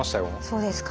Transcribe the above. そうですか。